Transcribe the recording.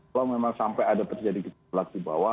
kalau memang sampai ada terjadi gitu belakang di bawah